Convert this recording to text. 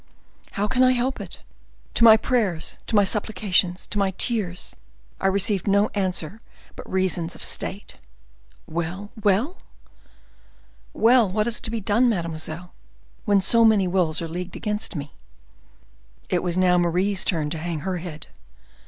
"How can I help it? To my prayers, to my supplications, to my tears, I received no answer but reasons of state." "Well, well?" "Well, what is to be done, mademoiselle, when so many wills are leagued against me?" It was now Marie's turn to hang her head.